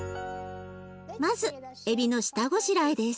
まずエビの下ごしらえです。